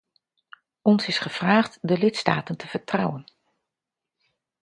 Ons is gevraagd de lidstaten te vertrouwen.